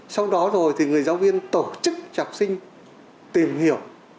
sau đó rồi thì người giáo viên tổ chức cho học sinh tìm hiểu